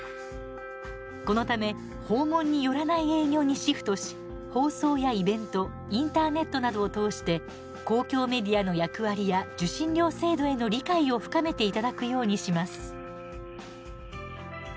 このため、訪問によらない営業にシフトし放送やイベントインターネットなどを通して公共メディアの役割や受信料制度への理解を深めていただくようにします。